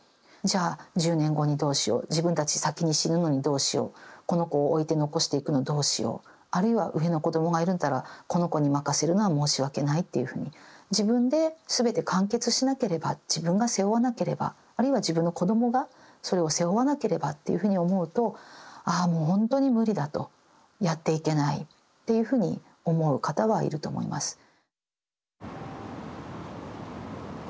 じゃあ１０年後にどうしよう自分たち先に死ぬのにどうしようこの子を置いて残していくのどうしようあるいは上の子どもがいるんならこの子に任せるのは申し訳ないというふうに自分で全て完結しなければ自分が背負わなければあるいは自分の子どもがそれを背負わなければっていうふうに思うとああほんとに無理だとやっていけないっていうふうに思う方はいると思います。